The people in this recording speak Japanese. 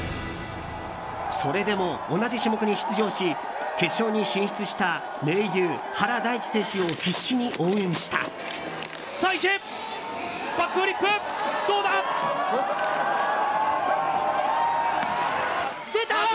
それでも同じ種目に出場し決勝に進出した盟友、原大智選手を必死に応援した。